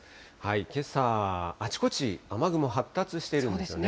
けさ、あちこち雨雲発達しているんですよね。